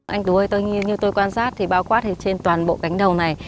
anh tú ơi như tôi quan sát thì bao quát trên toàn bộ cánh đầu này